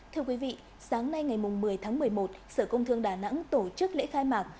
thưa quý vị sáng nay ngày một mươi tháng một mươi một sở công thương đà nẵng tổ chức lễ khai mạc